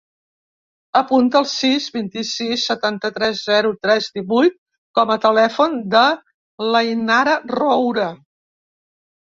Apunta el sis, vint-i-sis, setanta-tres, zero, tres, divuit com a telèfon de l'Ainara Roura.